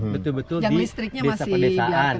betul betul di desa pedesaan